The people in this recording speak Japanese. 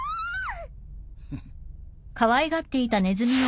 フッ。